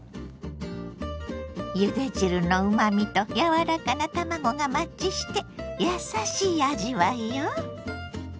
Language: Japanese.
ゆで汁のうまみと柔らかな卵がマッチして優しい味わいよ。